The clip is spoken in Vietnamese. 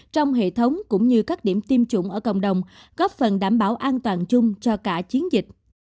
trong hệ thống cũng như các điểm tiêm chủng ở cộng đồng góp phần đảm bảo an toàn chung cho cả chiến dịch